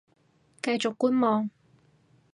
繼續觀望